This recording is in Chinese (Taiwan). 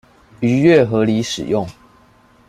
逾越合理使用